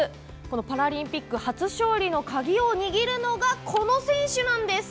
パラリンピック初勝利の鍵を握るのが、この選手なんです。